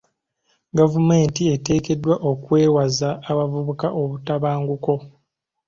Gavumenti eteekeddwa okwewaza abavubuka obutabanguko.